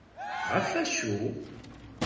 Ɣef acu?